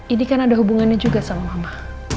ini kan ada hubungannya juga sama mama